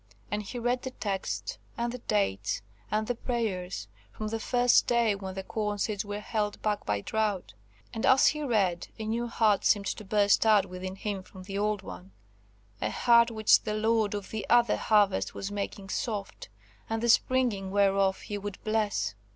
And he read the texts, and the dates, and the prayers, from the first day when the corn seeds were held back by drought; and as he read, a new heart seemed to burst out within him from the old one–a heart which the Lord of the other Harvest was making soft, and the springing whereof He would bless.